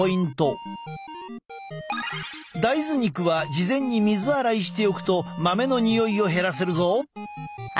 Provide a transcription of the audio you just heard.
大豆肉は事前に水洗いしておくと豆のにおいを減らせるぞ。